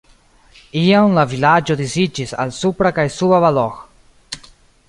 Iam la vilaĝo disiĝis al Supra kaj Suba Balog.